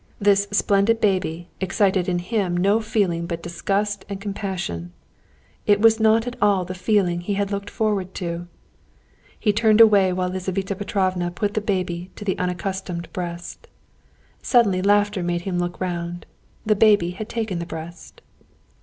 This splendid baby excited in him no feeling but disgust and compassion. It was not at all the feeling he had looked forward to. He turned away while Lizaveta Petrovna put the baby to the unaccustomed breast. Suddenly laughter made him look round. The baby had taken the breast.